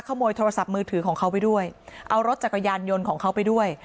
ขโมยโทรศัพท์มือถือของเขาไปด้วยเอารถจักรยานยนต์ของเขาไปด้วย